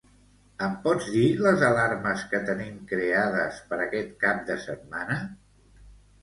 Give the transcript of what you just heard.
Em pots dir les alarmes que tenim creades per aquest cap de setmana?